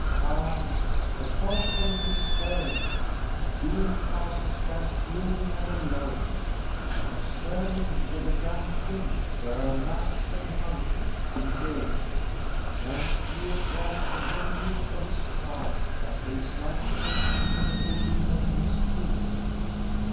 Aye, the constable is in Stirling. Doune Castle stands gloomy and alone, but in Stirling with the young king, there are masques, and hunting and gaiety. Young Stuart draws the revenues of his charge, but pays slight attention to the fulfilment of his duty."